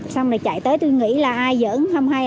xong rồi chạy tới tôi nghĩ là ai vẫn không hay